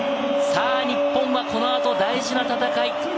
日本はこのあと大事な戦い。